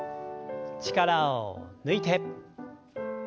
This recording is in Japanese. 力を抜いて。